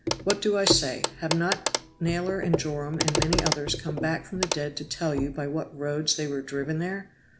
What do I say? Have not Naylor and Joram and many others come back from the dead to tell you by what roads they were driven there?